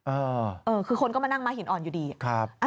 เออคือคนก็มานั่งม้าหินอ่อนอยู่ดีอะครับ